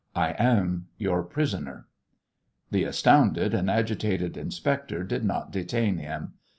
I am your prisoner." The astounded and agitated inspector did not detain him.